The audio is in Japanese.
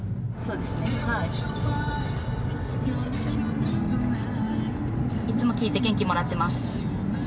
いつも聴いて元気もらっています。